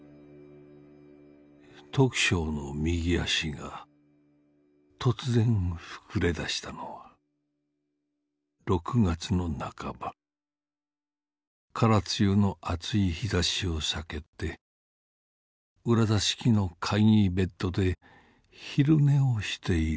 「徳正の右足が突然膨れ出したのは六月の半ば空梅雨の暑い日差しを避けて裏座敷の簡易ベッドで昼寝をしている時だった」。